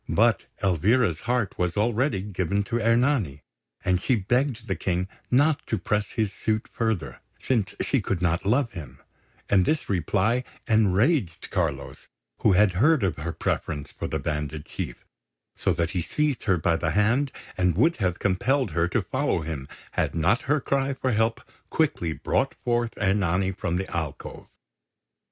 But Elvira's heart was already given to Ernani, and she begged the King not to press his suit further, since she could not love him; and this reply enraged Carlos, who had heard of her preference for the bandit chief, so that he seized her by the hand, and would have compelled her to follow him, had not her cry for help quickly brought forth Ernani from the alcove.